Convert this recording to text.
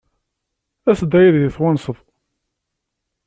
As-d ad iyi-twennseḍ.